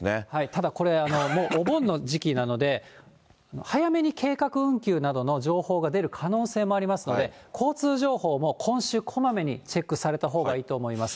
ただこれ、もうお盆の時期なので、早めに計画運休などの情報が出る可能性もありますので、交通情報も今週こまめにチェックされたほうがいいと思います。